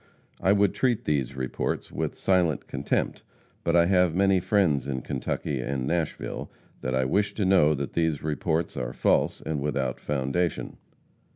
I would treat these reports with silent contempt, but I have many friends in Kentucky and Nashville that I wish to know that these reports are false and without foundation.